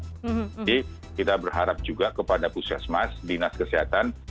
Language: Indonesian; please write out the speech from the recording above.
jadi kita berharap juga kepada pusat mas dinas kesehatan